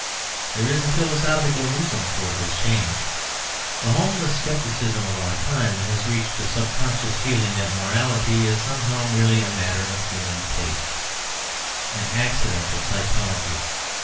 There is a philosophical reason for this change. The homeless scepticism of our time has reached a sub conscious feeling that morality is somehow merely a matter of human taste an accident of psychology.